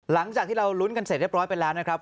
หลังจากที่เรารุ้นกันเสร็จเรียบร้อยไปแล้วนะครับ